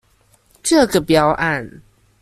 這個標案